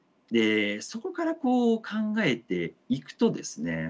そこからこう考えていくとですね